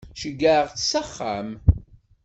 Ceggɛeɣ-tt s axxam.